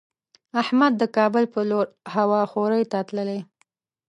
احمد د کابل په لور هوا خورۍ ته تللی دی.